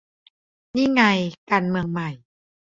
นี่ไง การเมืองใหม่